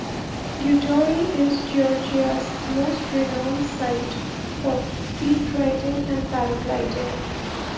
Gudauri is Georgia's most renowned site for speedriding and paragliding.